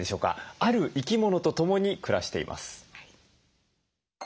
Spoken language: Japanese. ある生き物と共に暮らしています。